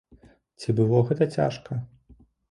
Ці было гэта цяжка?